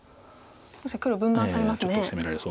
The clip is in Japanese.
確かに黒分断されますね。